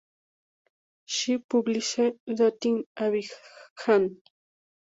She published "Dating Abidjan.